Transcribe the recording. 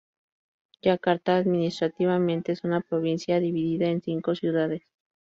Yakarta administrativamente es una provincia, dividida en cinco ciudades.